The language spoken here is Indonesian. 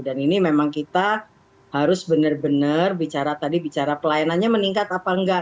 dan ini memang kita harus bener bener bicara tadi bicara pelayanannya meningkat apa nggak